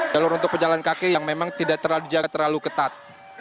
jalur untuk pejalan kaki yang memang tidak terlalu ketat